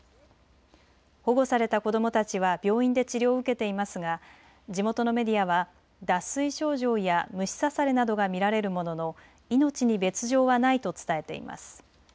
保護された子どもたちは病院で治療を受けていますが地元のメディアは脱水症状や虫刺されなどが見られるものの命に別状はないと伝えています。